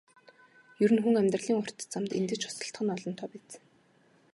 Ер нь хүн амьдралын урт замд эндэж осолдох нь олонтоо биз.